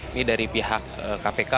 ini dari pihak kpk